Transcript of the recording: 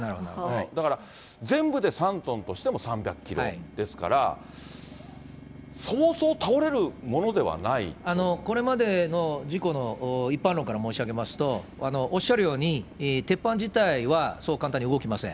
だから、全部で３トンとしても３００キロですから、そうそう倒れるものでこれまでの事故の一般論から申し上げますと、おっしゃるように、鉄板自体はそう簡単に動きません。